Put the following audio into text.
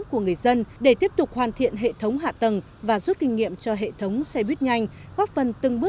của người dân để tiếp tục hoàn thiện hệ thống hạ tầng và rút kinh nghiệm